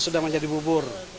sudah menjadi bubur